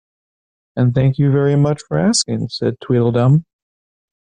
And thank you very much for asking,’ said Tweedledum.